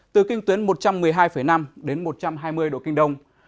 từ kinh tuyến một trăm một mươi hai năm đến một trăm hai mươi độ kinh đông